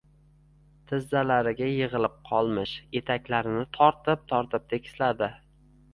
Tizzalariga yig‘ilib qolmish etaklarini tortib-tortib tekisladi.